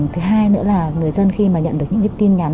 thứ hai nữa là người dân khi nhận được những tin nhắn